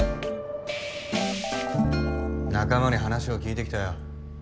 仲間に話を聞いてきたよ。